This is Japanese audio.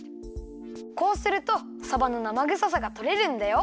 こうするとさばのなまぐささがとれるんだよ。